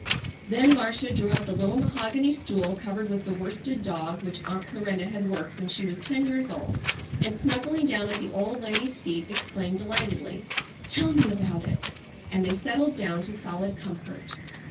Then Marcia drew up the little mahogany stool covered with the worsted dog which Aunt Clarinda had worked when she was ten years old, and snuggling down at the old lady's feet exclaimed delightedly: "Tell me about it!" and they settled down to solid comfort.